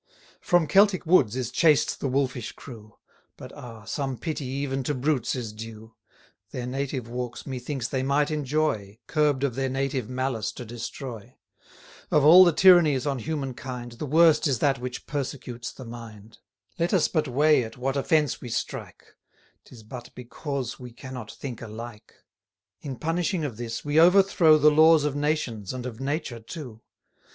From Celtic woods is chased the wolfish crew; But ah! some pity even to brutes is due: Their native walks methinks they might enjoy, Curb'd of their native malice to destroy. Of all the tyrannies on human kind, The worst is that which persecutes the mind. 240 Let us but weigh at what offence we strike; 'Tis but because we cannot think alike. In punishing of this, we overthrow The laws of nations and of nature too.